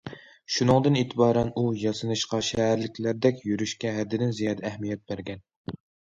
شۇنىڭدىن ئېتىبارەن ئۇ ياسىنىشقا، شەھەرلىكلەردەك يۈرۈشكە ھەددىدىن زىيادە ئەھمىيەت بەرگەن.